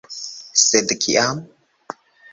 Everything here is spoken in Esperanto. Sed kiam?